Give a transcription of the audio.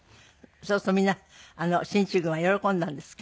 そうするとみんな進駐軍は喜んだんですか？